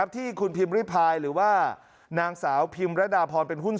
ที่คุณพิมพ์ริพายหรือว่านางสาวพิมรดาพรเป็นหุ้น